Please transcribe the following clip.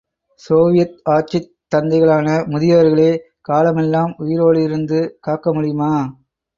Soviet ஆட்சித் தந்தைகளான முதியவர்களே, காலமெல்லாம், உயிரோடிருந்து, காக்க முடியுமா?